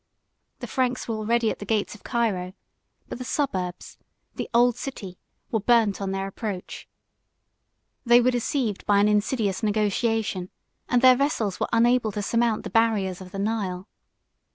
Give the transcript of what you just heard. The Franks were already at the gates of Cairo; but the suburbs, the old city, were burnt on their approach; they were deceived by an insidious negotiation, and their vessels were unable to surmount the barriers of the Nile.